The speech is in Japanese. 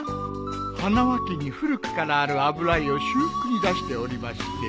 花輪家に古くからある油絵を修復に出しておりまして。